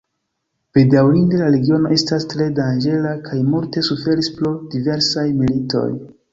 Bedaŭrinde la regiono estas tre danĝera kaj multe suferis pro diversaj militoj.